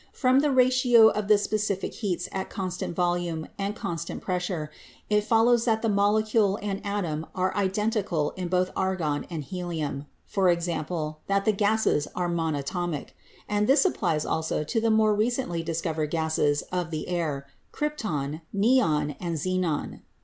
From the ratio of the specific heats at constant volume and constant pres sure, it follows that the molecule and atom are identical in both argon and helium — i.e., that the gases are mona tomic; and this applies also to the other more recently discovered gases of the air — krypton, neon and xenon.